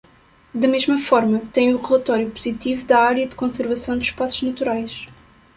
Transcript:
Da mesma forma, tem o relatório positivo da Área de Conservação de Espaços Naturais.